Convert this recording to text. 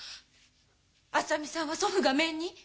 浅見さんは祖父が面に！？